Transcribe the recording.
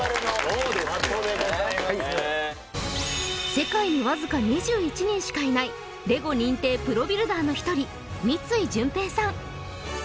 世界にわずか２１人しかいないレゴ認定プロビルダーの一人三井淳平さん